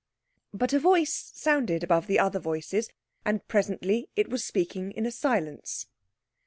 But a voice sounded above the other voices, and presently it was speaking in a silence.